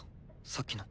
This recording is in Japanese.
さっきの。